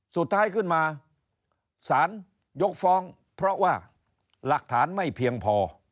สุดท้ายขึ้นมาสารยกฟ้องเพราะว่าหลักฐานไม่เพียงพอ